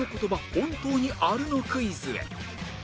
本当にあるのクイズへ